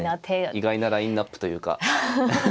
意外なラインナップというか。